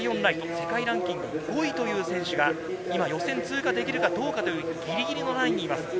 世界ランキング５位という選手が、予選通過できるかギリギリのラインにいます。